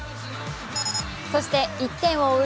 そして１点を追う